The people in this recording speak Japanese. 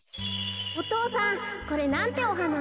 お父さんこれなんておはな？